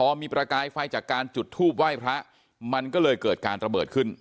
พอมีประกายไฟจากการจุดทูปไหว้พระมันก็เลยเกิดการระเบิดขึ้น